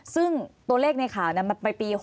ซึ่งตัวเลขในข่าวมันไปปี๖๐